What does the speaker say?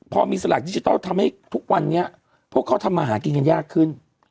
พอมีสลากดิจิทัลทำให้ทุกวันนี้พวกเขาทำมาหากินกันยากขึ้น